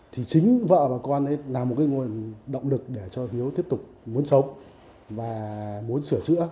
thì chính vợ và con ấy là một cái nguồn động lực để cho hiếu tiếp tục muốn sống và muốn sửa chữa